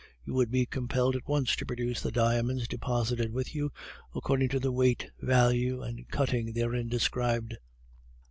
You would be compelled at once to produce the diamonds deposited with you, according to the weight, value, and cutting therein described.